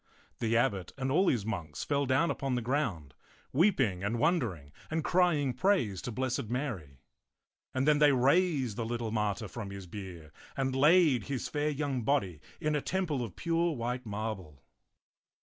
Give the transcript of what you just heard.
The abbot and all his monks fell down upon the ground, weeping and wondering and crying praise to Blessed Mary ; and then they raised the little martyr from his bier and laid his fair young body in a temple of pure white marble.